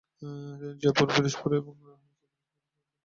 তিনি জয়পুর, ফিরোজপুর এবং হিসার-ফিরোজ সহ বিভিন্ন শহরের গোড়াপত্তন করেন।